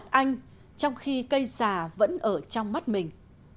lấy cái rằm ra khỏi mắt anh trong khi cây xà vẫn ở trong mắt mình